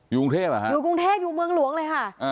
กรุงเทพเหรอฮะอยู่กรุงเทพอยู่เมืองหลวงเลยค่ะ